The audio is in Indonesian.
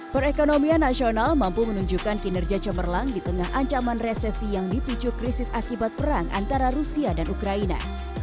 perekonomian nasional mampu menunjukkan kinerja cemerlang di tengah ancaman resesi yang dipicu krisis akibat perang antara rusia dan ukraina